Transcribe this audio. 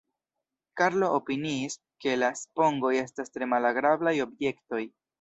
Karlo opiniis, ke la spongoj estas tre malagrablaj objektoj.